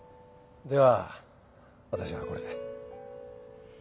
では私はこれで。